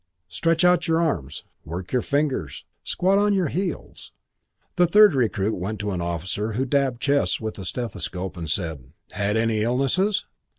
Stretch out your arms. Work your fingers. Squat on your heels." The third recruit went to an officer who dabbed chests with a stethoscope and said, "Had any illnesses?"